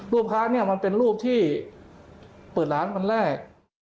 รูปพระมันเป็นรูปที่เปิดร้านวันแรก